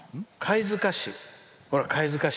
貝塚市。